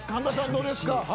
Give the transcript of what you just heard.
どうですか？